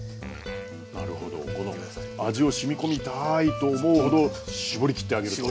なるほどこの味をしみこみたいと思うほど絞りきってあげると。